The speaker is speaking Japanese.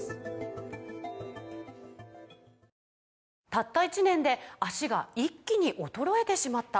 「たった１年で脚が一気に衰えてしまった」